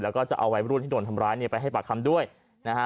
แล้วก็จะเอาวัยรุ่นที่โดนทำร้ายเนี่ยไปให้ปากคำด้วยนะฮะ